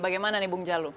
bagaimana nih bung jalu